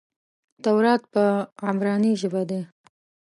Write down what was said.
تورات په عبراني ژبه دئ.